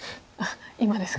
今ですか。